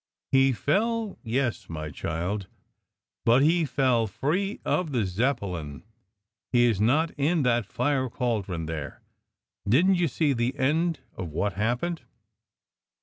"He fell, yes, my child. But he fell free of the Zeppelin. He is not in that fire cauldron there. Didn t you see the end of what happened?"